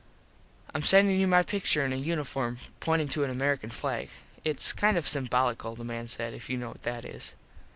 Im sendin you my pictur in a uniform pointin to an American flag. Its kind of simbolical the man said, if you know what that is.